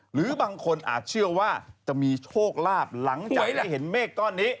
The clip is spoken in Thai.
หรือบางคนอาจเชื่อว่าจะมีโชคลาภหลังจากได้เห็นเมฆก้อนนี้